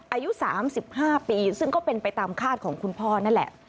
อายุ๓๕ปีซึ่งก็เป็นไปตามคาดของคุณพ่อนั่นแหละ